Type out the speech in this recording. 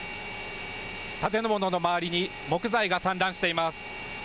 建物の周りに木材が散乱しています。